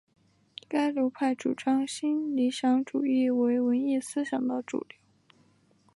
该流派主张新理想主义为文艺思想的主流。